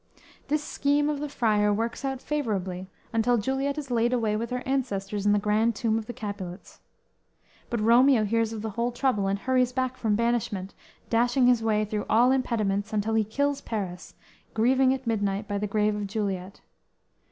This scheme of the Friar works out favorably until Juliet is laid away with her ancestors in the grand tomb of the Capulets. But Romeo hears of the whole trouble and hurries back from banishment, dashing his way through all impediments until he kills Paris, grieving at midnight by the grave of Juliet.